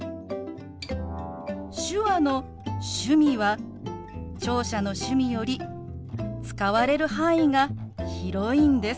手話の「趣味」は聴者の「趣味」より使われる範囲が広いんです。